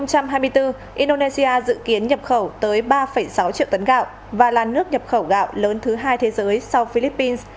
năm hai nghìn hai mươi bốn indonesia dự kiến nhập khẩu tới ba sáu triệu tấn gạo và là nước nhập khẩu gạo lớn thứ hai thế giới sau philippines